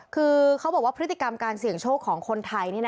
คือเขาบอกว่าพฤติกรรมการเสี่ยงโชคของคนไทย